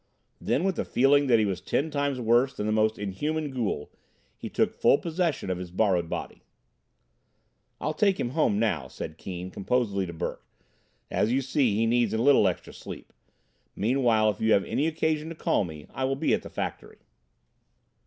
Then, with the feeling that he was ten times worse than the most inhuman ghoul, he took full possession of his borrowed body. "I'll take him home now," said Keane composedly to Burke. "As you see, he needs a little extra sleep. Meanwhile, if you have any occasion to call me, I will be at the factory."